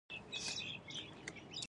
محمد عماره متفکر ټکول رانقل کړی دی